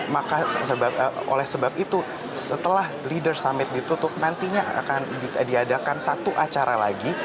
maka oleh sebab itu setelah leader summit ditutup nantinya akan diadakan satu acara lagi